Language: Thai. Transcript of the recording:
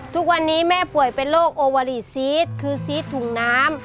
ทุกวันนี้แม่ป่วยเป็นโรคโอวารีซีสคือซีสถุงน้ำ